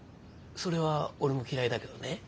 それは俺も嫌いだけどね。